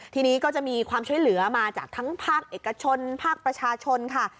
ทีนี้ก็จะมีความช่วยเหลือมาจากทั้งภาคเอกชนภาคประชาชนค่ะ